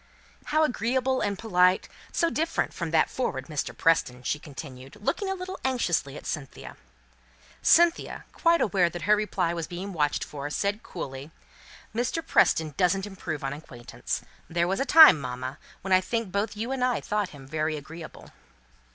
How agreeable and polite! So different from that forward Mr. Preston," she continued, looking a little anxiously at Cynthia. Cynthia, quite aware that her reply was being watched for, said, coolly, "Mr. Preston doesn't improve on acquaintance. There was a time, mamma, when I think both you and I thought him very agreeable."